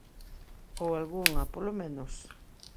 Ou algunha, polo menos?